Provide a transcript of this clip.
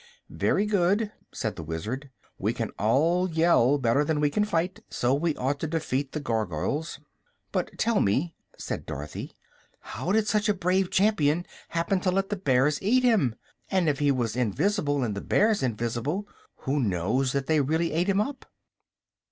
"Very good," said the Wizard; "we can all yell better than we can fight, so we ought to defeat the Gargoyles." "But tell me," said Dorothy, "how did such a brave Champion happen to let the bears eat him? And if he was invis'ble, and the bears invis'ble, who knows that they really ate him up?"